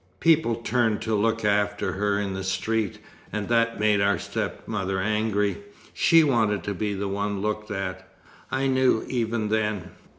People turned to look after her in the street, and that made our stepmother angry. She wanted to be the one looked at. I knew, even then!